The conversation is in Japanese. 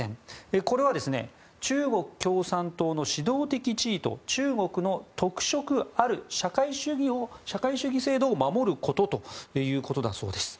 これは中国共産党の指導的地位と中国の特色ある社会主義制度を守ることということだそうです。